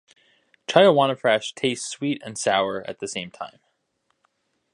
Chyawanaprash tastes sweet and sour at the same time.